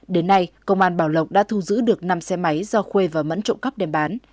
đến nay công an bảo lộc đã thu giữ được năm xe máy do khuê và mẫn trộm cắp đem bán